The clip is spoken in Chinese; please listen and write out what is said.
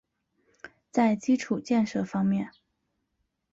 在基础建设方面